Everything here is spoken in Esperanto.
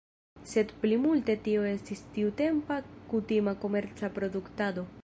Sed plimulte tio estis tiutempa kutima komerca produktado.